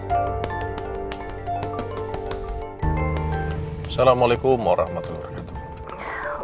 assalamualaikum warahmatullahi wabarakatuh